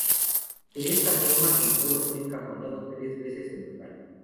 De esta forma, el polo fue encajonado tres veces en total.